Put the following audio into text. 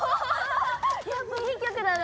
やっぱいい曲だな。